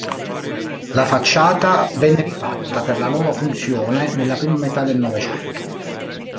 La facciata venne rifatta per la nuova funzione nella prima metà del Novecento.